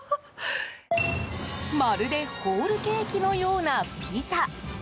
まるでホールケーキのようなピザ。